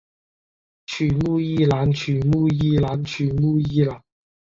曲目一览曲目一览曲目一览